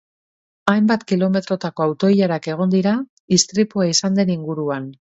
Hainbat kilometrotako auto-ilarak egon dira, istripua izan den inguruan.